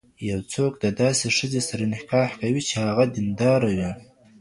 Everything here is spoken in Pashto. يو څوک د داسي ښځي سره نکاح کوي، چي هغه دينداره وي